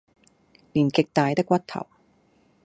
連極大的骨頭，